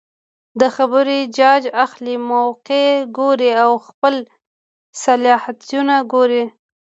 د خبرې جاج اخلي ،موقع ګوري او خپل صلاحيتونه ګوري